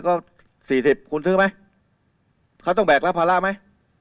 คุณซื้อมั้ยเขาต้องแบกลภาระมั้ย